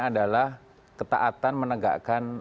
adalah ketaatan menegakkan